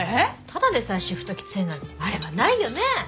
ただでさえシフトきついのにあれはないよね？